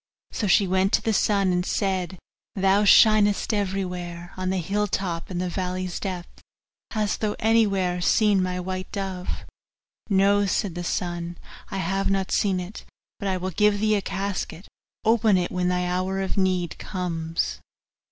So she went to the sun and said, 'Thou shinest everywhere, on the hill's top and the valley's depth hast thou anywhere seen my white dove?' 'No,' said the sun, 'I have not seen it; but I will give thee a casket open it when thy hour of need comes.